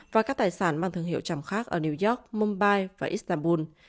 và các tài sản mang thương hiệu tràm khác ở new york mumbai và istanbul